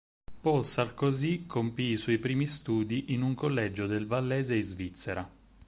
Paul Sarkozy compì i suoi primi studi in un collegio del Vallese in Svizzera.